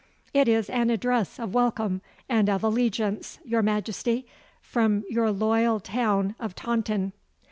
'It is an address of welcome and of allegiance, your Majesty, from your loyal town of Taunton.